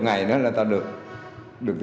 hai mươi ngày nữa là ta được tiền rồi